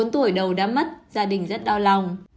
một mươi bốn tuổi đầu đã mất gia đình rất đau lòng